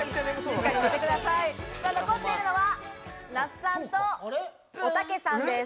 残っているのは那須さんとおたけさんです。